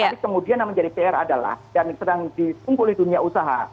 tapi kemudian yang menjadi pr adalah dan sedang ditunggu oleh dunia usaha